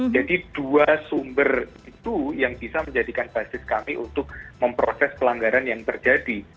jadi dua sumber itu yang bisa menjadikan basis kami untuk memproses pelanggaran yang terjadi